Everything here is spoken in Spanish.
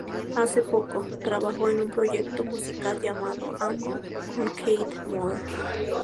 Hace poco, trabajó en un proyecto musical llamado "Ambo", con Keith Moore.